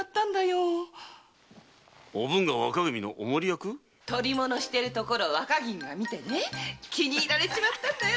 おぶんが若君のお守り役⁉捕り物してるところを若君が見てね気に入られちまったんだよ！